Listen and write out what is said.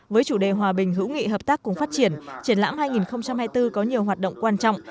với chủ đề hòa bình hữu nghị hợp tác cùng phát triển triển lãm hai nghìn hai mươi bốn có nhiều hoạt động quan trọng